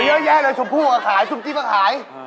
โยยแย่เลยสุบู๋มาขายจสุบจิ๊บมาขาย